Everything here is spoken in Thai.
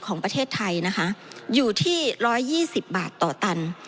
ของประเทศไทยนะคะอยู่ที่๑๒๐บาทต่อตัน